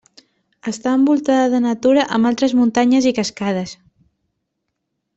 Està envoltada de natura amb altes muntanyes i cascades.